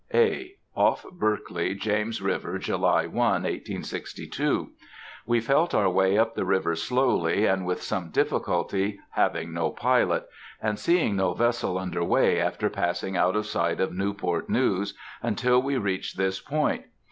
(A.) Off Berkeley, James River, July 1, 1862.—We felt our way up the river slowly, and with some difficulty, having no pilot, and seeing no vessel under way after passing out of sight of Newport's News until we reached this point.